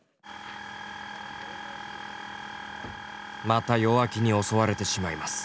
また弱気に襲われてしまいます。